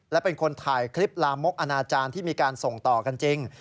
และเป็นคนถ่ายคลิปลามกอนาจารย์ที่มีการส่งต่อกันจริง